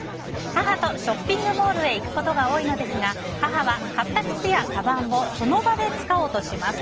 母とショッピングモールへ行くことが多いのですが母は買った靴やかばんをその場で使おうとします。